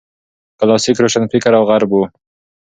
کلاسیک روشنفکر او غرب